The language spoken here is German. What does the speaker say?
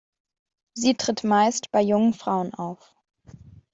Sie tritt meist bei jungen Frauen auf.